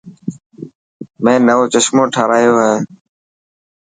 مين نوو چشمو ٺارايو هي.